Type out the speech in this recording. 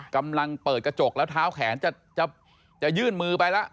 กำลังเปิดกระจกแล้วเท้าแขนจะยื่นมือไปแล้ว